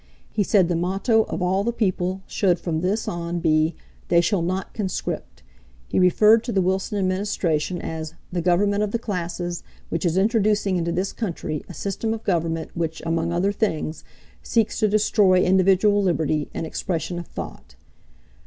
He said the motto of all the people should from this on be, "They shall not conscript." He referred to the Wilson Administration as "the government of the classes, which is introducing into this country a system of government which, among other things, seeks to destroy individual liberty and expression of thought."